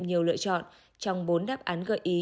nhiều lựa chọn trong bốn đáp án gợi ý